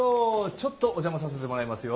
ちょっとお邪魔させてもらいますよ。